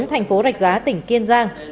minh đi đến tp rạch giá tỉnh kiên giang